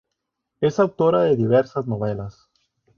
Es autora de diversas novelas.